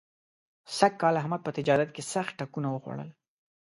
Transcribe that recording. سږ کال احمد په تجارت کې سخت ټکونه وخوړل.